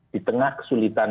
di tengah kesulitan